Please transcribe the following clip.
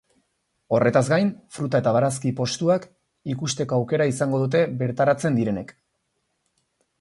Horretaz gain, fruta eta barazki postuak ikusteko aukera izango dute bertaratzen direnek.